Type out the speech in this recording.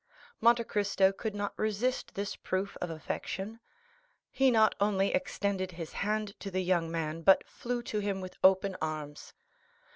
Monte Cristo could not resist this proof of affection; he not only extended his hand to the young man, but flew to him with open arms.